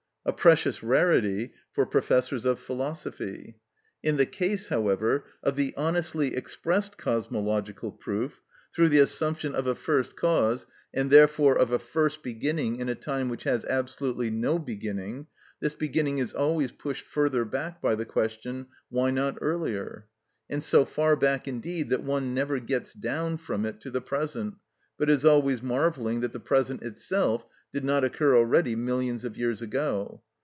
A precious rarity for professors of philosophy! In the case, however, of the honestly expressed cosmological proof, through the assumption of a first cause, and therefore of a first beginning in a time which has absolutely no beginning, this beginning is always pushed further back by the question: Why not earlier? And so far back indeed that one never gets down from it to the present, but is always marvelling that the present itself did not occur already millions of years ago.